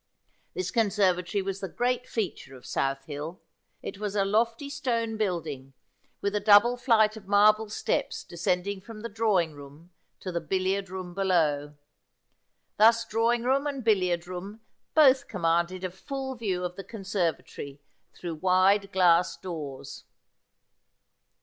This conservatorv was the great feature of South Hill. It was a lofty stone building, with a double flight of marble steps descending from the draw ing room to the billiard room below. Thus drawing room and billiard room both commanded a full view of the conservatory through wide glass doors.